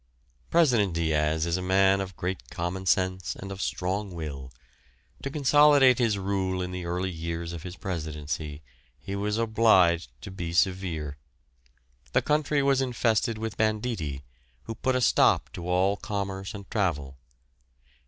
President Diaz is a man of great commonsense and of strong will. To consolidate his rule in the early years of his presidency he was obliged to be severe. The country was infested with banditti, who put a stop to all commerce and travel.